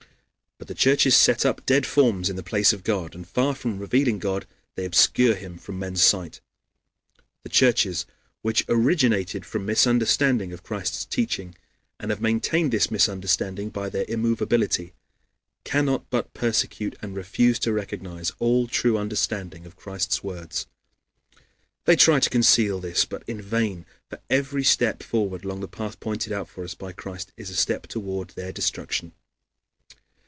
But the churches set up dead forms in the place of God, and far from revealing God, they obscure him from men's sight. The churches, which originated from misunderstanding of Christ's teaching and have maintained this misunderstanding by their immovability, cannot but persecute and refuse to recognize all true understanding of Christ's words. They try to conceal this, but in vain; for every step forward along the path pointed out for us by Christ is a step toward their destruction.